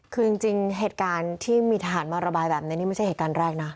คือจริงเหตุการณ์ที่มีทหารมาระบายแบบนี้นี่ไม่ใช่เหตุการณ์แรกนะ